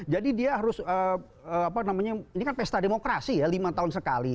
jadi dia harus ini kan pesta demokrasi ya lima tahun sekali